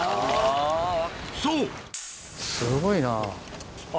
そうすごいな。